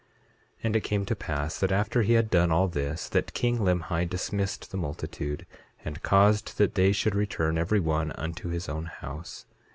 8:4 And it came to pass that after he had done all this, that king Limhi dismissed the multitude, and caused that they should return every one unto his own house.